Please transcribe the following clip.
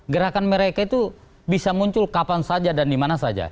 gerakan mereka itu bisa muncul kapan saja dan dimana saja